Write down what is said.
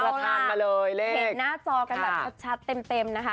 เอาล่ะเห็นหน้าจอกันแบบชัดเต็มนะคะ